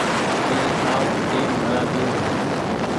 مينٚ آپ تيل ڀرآۮييو